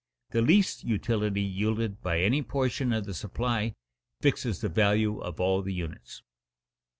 The least utility yielded by any portion of the supply fixes the value of all the units.